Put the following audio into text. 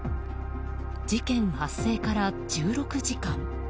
事件発生から１６時間